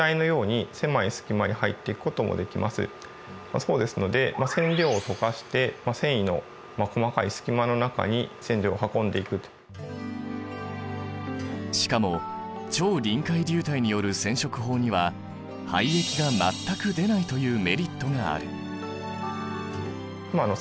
そうですのでしかも超臨界流体による染色法には廃液が全く出ないというメリットがある。